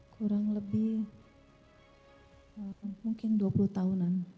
kurang lebih mungkin dua puluh tahunan